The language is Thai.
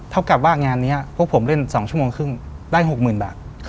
เท่ากับว่างานนี้พวกผมเล่น๒ชั่วโมงครึ่งได้๖๐๐๐บาท